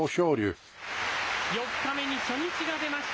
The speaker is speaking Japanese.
４日目に初日が出ました。